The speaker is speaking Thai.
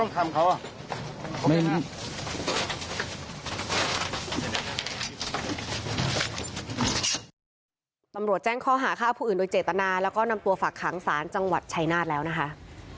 ตำรวจแจ้งข้อหาฆ่าผู้อื่นโดยเจตนาแล้วก็นำตัวฝากขังศาลจังหวัดชัยนาธแล้วนะคะ